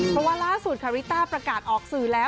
เพราะว่าล่าสุดค่ะริต้าประกาศออกสื่อแล้ว